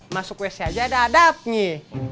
masuk wc aja ada adab nyi